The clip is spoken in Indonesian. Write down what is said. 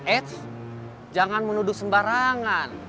eits jangan menuduh sembarangan